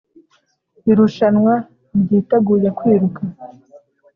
irushanwa ryiteguye kwiruka,